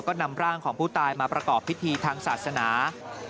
ก็นำร่างของผู้ตายมาประกอบพิธีทางศาสนา